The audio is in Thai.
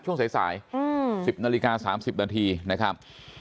ช่วงสายสายอืมสี่นาฬิกาสามสิบนาทีนะครับ